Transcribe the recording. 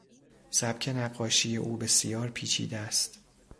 سبک نقاشی او بسیار پیچیده است.